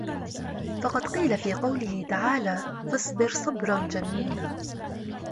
فَقَدْ قِيلَ فِي قَوْله تَعَالَى فَاصْبِرْ صَبْرًا جَمِيلًا